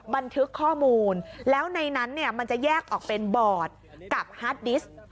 บันทึกข้อมูลแล้วในนั้นเนี่ยมันจะแยกออกเป็นบอร์ดกับฮาร์ดดิสต์